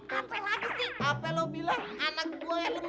tuh mas johnny saya itu udah eling